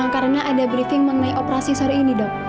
karena ada briefing mengenai operasi sore ini dok